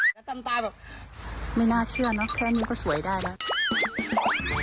แล้วตำตาบอกไม่น่าเชื่อเนอะแค่นี้ก็สวยได้แล้ว